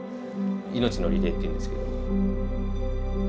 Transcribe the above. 命のリレーって言うんですけど。